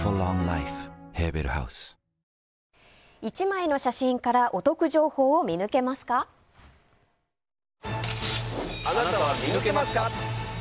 １枚の写真からお得情報を見抜けますか？